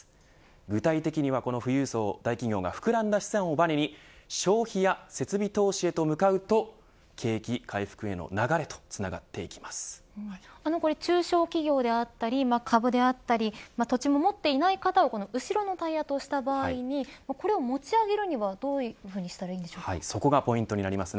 具体的にはこの富裕層、大企業が膨らんだ資産をばねに消費や設備投資へと向かうと景気回復への流れと中小企業であったり株であったり土地も持っていない方を後ろのタイヤとした場合にこれを持ち上げるにはどういうふうにしたらそこが、ポイントになります。